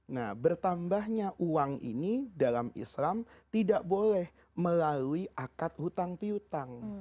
nah bertambahnya uang ini dalam islam tidak boleh melalui akad hutang pihutang